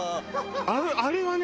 あれはね